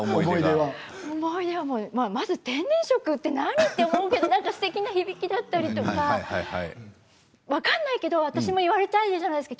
思い出は、まずは天然色って何？と思うけどすてきな響きだったりとか分からないけど私も言われたいじゃないですか。